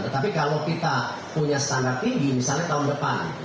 tetapi kalau kita punya standar tinggi misalnya tahun depan